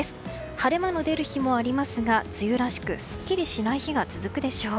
晴れ間の出る日もありますが梅雨らしく、すっきりしない日が続くでしょう。